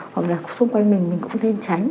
hoặc là xung quanh mình mình cũng nên tránh